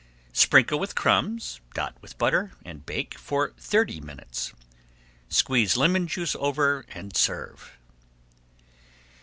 Sprinkle with crumbs, dot with butter, and bake for thirty minutes. Squeeze lemon juice over and serve.